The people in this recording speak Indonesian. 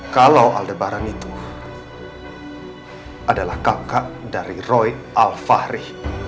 kalau aldebaran itu adalah kakak dari roy alfahri